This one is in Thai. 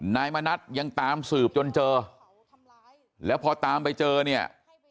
นายมณัฐยังตามสืบจนเจอแล้วพอตามไปเจอเนี่ย